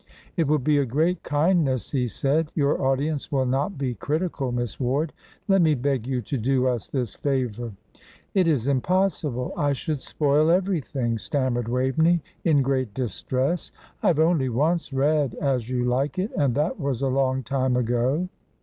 "It will be a great kindness," he said. "Your audience will not be critical, Miss Ward. Let me beg you to do us this favour." "It is impossible. I should spoil everything," stammered Waveney, in great distress. "I have only once read As You Like It, and that was a long time ago."